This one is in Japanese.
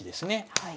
はい。